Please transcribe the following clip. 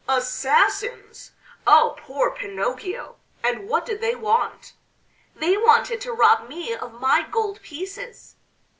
"Assassins!... Oh, poor Pinocchio! And what did they want?" "They wanted to rob me of my gold pieces."